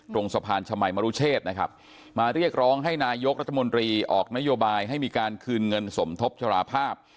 ตรงสะพานชมัยมรุเชษนะครับมาเรียกร้องให้นายกรัฐมนตรีออกนโยบายให้มีการคืนเงินสมทบชราภาพ